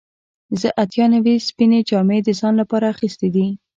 زه اتیا نوي سپینې جامې د ځان لپاره اخیستې دي.